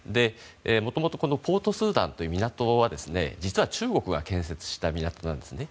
もともとポートスーダンという港は実は、中国が建設した港なんですね。